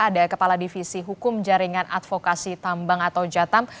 ada kepala divisi hukum jaringan advokasi tambang atau jatam